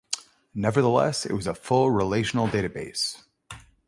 Nevertheless, it was a full relational database.